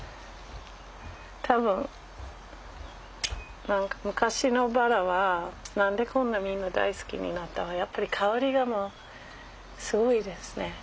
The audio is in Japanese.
多分何か昔のバラは何でこんなみんな大好きになったかやっぱり香りがもうすごいですね